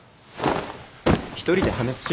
一人で破滅しろ。